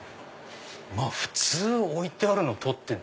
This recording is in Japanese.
普通置いてあるのを取って。